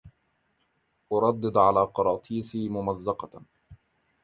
اردد علي قراطيسي ممزقة